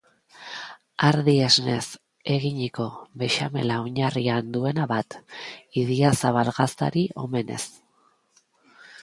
Ardi esnez eginiko bexamela oinarrian duena bat, idiazabal gaztari omenez.